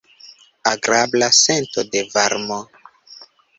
Agrabla sento de varmo.